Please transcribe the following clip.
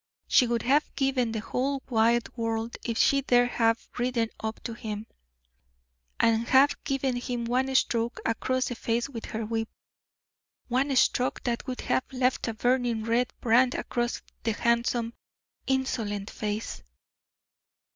She would have given the whole wide world if she dare have ridden up to him, and have given him one stroke across the face with her whip one stroke that would have left a burning red brand across the handsome, insolent face!